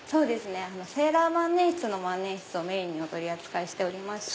セーラー万年筆の万年筆をメインにお取り扱いしてまして。